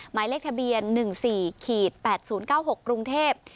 หมายเลขทะเบียน๑๔๘๐๙๖กรุงเทพฯ